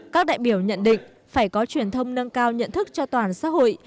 các đại biểu nhận định phải có truyền thông nâng cao nhận thức cho toàn xã hội